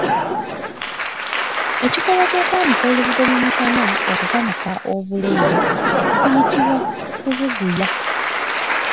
Ekikolwa ky’okwanika olubugo mu musana okukamuka obuleebo tukiyita Kubuguya.